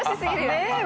ねえ。